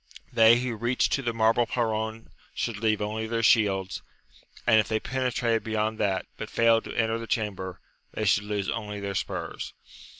They who reached to the marble perron should leave only their shields, and if they penetrated beyond that, but failed to enter the chamber, they should lose only their spurs.